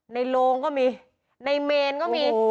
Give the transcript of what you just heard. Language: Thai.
โรงก็มีในเมนก็มี